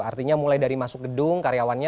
artinya mulai dari masuk gedung karyawannya